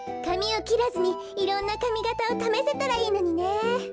かみをきらずにいろんなかみがたをためせたらいいのにね。